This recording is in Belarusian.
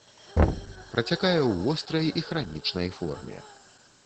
Працякае ў вострай і хранічнай форме.